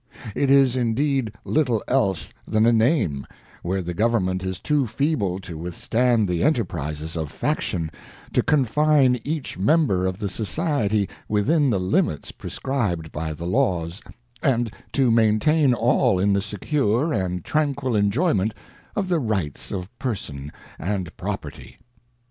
ŌĆö It is indeed little else than a name, where the Government is too feeble to withstand the enterprises of faction, to confine each member of the Society within the limits prescribed by the laws, and to maintain all in the secure and tranquil enjoyment of the rights of person and property.